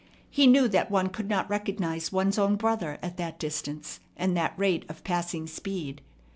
He knew that one could not recognize one's own brother at that distance and that rate of passing speed.